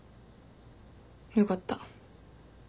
よかった。